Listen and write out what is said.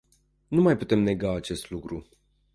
Nu mai putem nega acest lucru.